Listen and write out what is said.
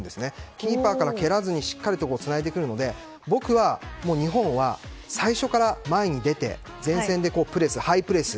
キーパーから蹴らずにしっかりとつないでくるので僕は日本は、最初から前に出て前線でプレスするハイプレス。